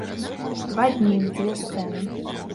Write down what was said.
Два дні, дзве сцэны.